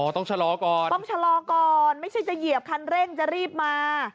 ต้องชะลอก่อนต้องชะลอก่อนไม่ใช่จะเหยียบคันเร่งจะรีบมา